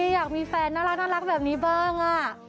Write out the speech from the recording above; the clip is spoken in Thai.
อยากมีแฟนน่ารักแบบนี้บ้าง